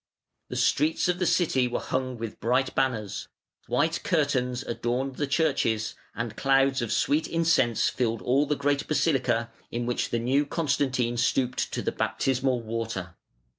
The streets of the city were hung with bright banners, white curtains adorned the churches, and clouds of sweet incense filled all the great basilica in which "the new Constantine" stooped to the baptismal water.